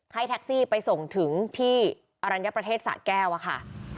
ให้แท็กซี่ไปส่งถึงที่อรัญญประเทศสะแก้วค่ะ